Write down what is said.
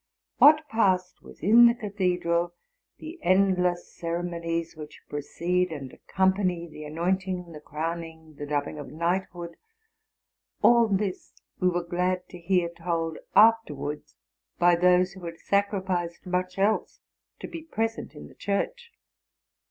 What passed within the cathedral, the endless ceremonies which precede and accompany the anointing, the crowning. the dubbing of knighthood, —all this we were glad to hear told afterwards by those who had sacrificed much else to be present in the church.